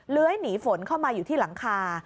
หนีฝนเข้ามาอยู่ที่หลังคา